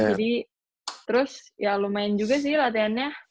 terus ya lumayan juga sih latihannya